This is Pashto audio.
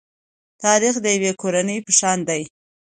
تاریخ د یوې کورنۍ په شان دی.